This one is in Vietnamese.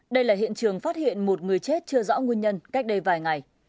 đây là hiện trường phát hiện một người chết chưa rõ nguyên nhân cách đây vài ngày